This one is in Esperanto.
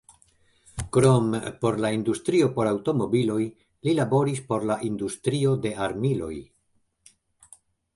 Krom por la industrio por aŭtomobiloj, li laboris por la industrio de armiloj.